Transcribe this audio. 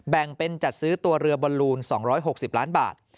แบ่งเป็นจัดซื้อตัวเรือบอลลูน๒๖๐ล้านบาท